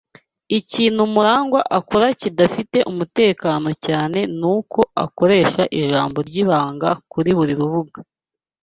Ikintu MuragwA akora kidafite umutekano cyane nuko akoresha ijambo ryibanga kuri buri rubuga.